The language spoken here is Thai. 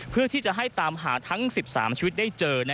เพื่อที่จะให้ตามหาทั้ง๑๓ชีวิตได้เจอ